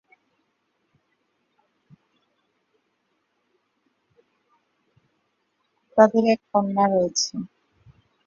তাদের এক কন্যা রয়েছে।